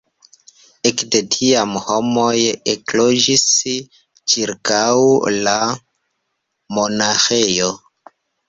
Ekde tiam homoj ekloĝis ĉirkaŭ la monaĥejo.